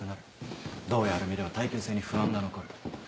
銅やアルミでは耐久性に不安が残る。